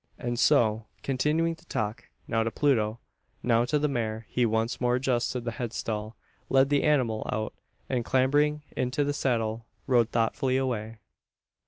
And so continuing to talk now to Pluto, now to the mare he once more adjusted the headstall; led the animal out; and, clambering into the saddle, rode thoughtfully away.